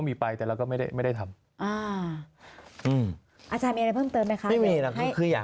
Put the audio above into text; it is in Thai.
ไม่ได้ทำ